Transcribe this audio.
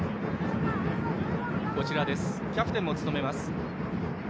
キャプテンも務めます、高木。